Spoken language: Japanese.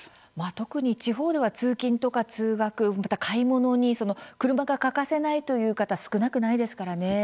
特に地方では通勤とか買い物に車が欠かせないという方が少なくないですからね。